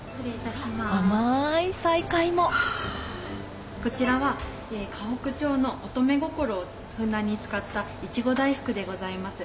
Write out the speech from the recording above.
甘い再会もこちらは河北町のおとめ心をふんだんに使ったイチゴ大福でございます。